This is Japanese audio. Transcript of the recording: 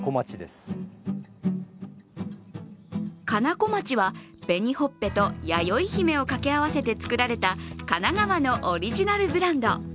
こまちは、紅ほっぺとやよいひめを掛け合わせて作られた神奈川のオリジナルブランド。